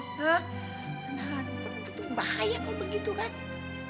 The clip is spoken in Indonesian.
hah itu bahaya kalau begitu kan